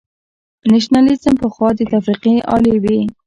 نېشنلېزم پخوا د تفرقې الې وه.